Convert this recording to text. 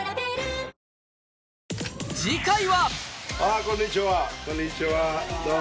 こんにちは。